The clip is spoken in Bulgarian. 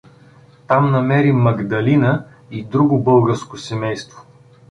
Там намери Магдалина и друго българско семейство.